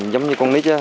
giống như con nít